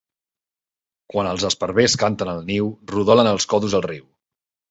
Quan els esparvers canten al niu rodolen els còdols al riu.